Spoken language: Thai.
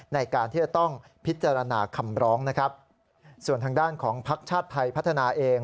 ในการที่จะต้องพิจารณาคำร้องนะครับส่วนทางด้านของภักดิ์ชาติไทยพัฒนาเอง